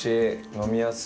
飲みやすい。